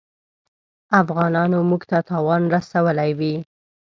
افغانانو موږ ته تاوان رسولی وي.